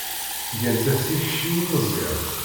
Gant-as tikci i Meẓyan.